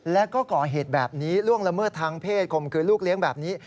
แล้วก็ก่อเหตุแบบนี้ล่วงละเมิดทางเพศคมคืนลูกเลี้ยงแบบนี้